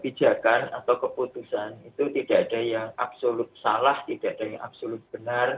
kebijakan atau keputusan itu tidak ada yang absolut salah tidak ada yang absolut benar